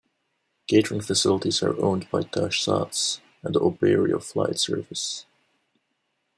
Catering facilities are owned by Taj-Sats and Oberoi Flight Services.